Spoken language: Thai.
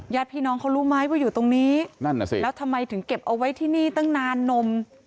ญาติพี่น้องเขารู้ไหมว่าอยู่ตรงนี้นั่นน่ะสิแล้วทำไมถึงเก็บเอาไว้ที่นี่ตั้งนานนม